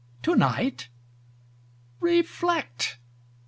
tonight? Reflect.